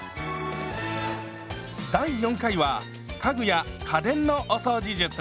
第４回は家具や家電のお掃除術。